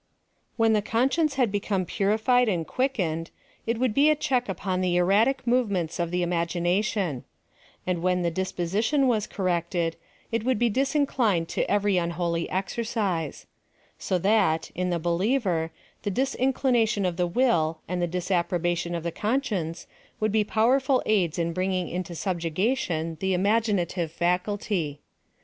When the conscience had become purified and quickened, it would be a check upon the enatic movements of the imagination ; and when the dis position was corrected, it would be disinclined to every unholy exercise ; so that, in the believer, the disinclinatian of the will and the disapprobation of the conscience would be powerful aids in bringing into subjection the imaginative faculty.